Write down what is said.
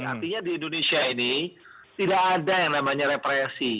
artinya di indonesia ini tidak ada yang namanya represi